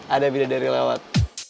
ada bila dari lewat